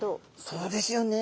そうですよね。